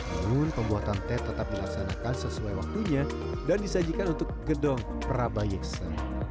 namun pembuatan teh tetap dilaksanakan sesuai waktunya dan disajikan untuk gedong prabayeksen